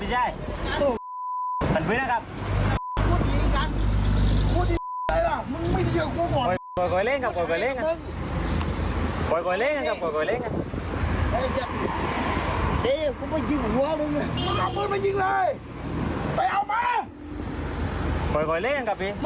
พูดดีกันพูดดีกันเลยล่ะมึงไม่ได้ยิงผมก่อนปล่อยปล่อยเล่งครับปล่อยปล่อยเล่งครับ